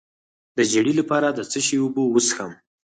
د ژیړي لپاره د څه شي اوبه وڅښم؟